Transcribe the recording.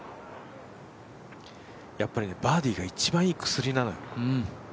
やっぱりバーディーが一番いい薬なのよ。